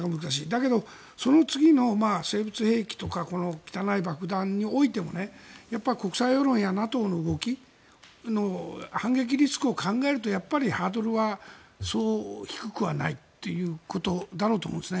だけど、その次の生物兵器とか汚い爆弾においてもやっぱり国際世論やＮＡＴＯの動きの反撃リスクを考えるとやっぱりハードルはそう低くはないということだろうと思うんです。